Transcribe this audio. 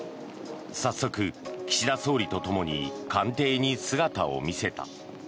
早速、岸田総理とともに官邸に姿を見せた。